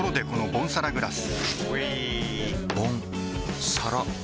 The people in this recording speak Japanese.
ボンサラグラス！